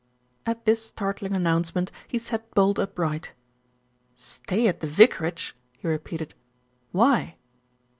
At this startling announcement, he sat bolt upright. "Stay at the vicarage!" he repeated. "Why?"